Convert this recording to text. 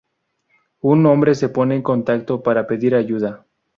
Un hombre se pone en contacto para pedir ayuda.